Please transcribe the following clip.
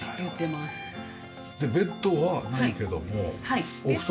でベッドはないけどもお布団？